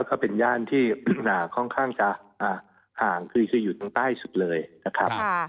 ก็เป็นย่านที่ค่อนข้างจะห่างคือจะอยู่ตรงใต้สุดเลยนะครับ